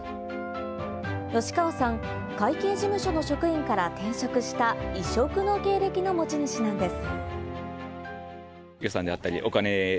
吉川さん、会計事務所の職員から転職した異色の経歴の持ち主なんです。